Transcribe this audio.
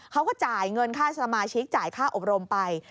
เขาก็จ่ายเงินค่าสมาชิกจ่ายค่าอบรมไป